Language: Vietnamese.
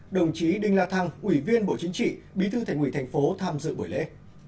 đồng chí đinh la thăng quỷ viên bộ chính trị bí thư thành quỷ tp hcm tham dự buổi lễ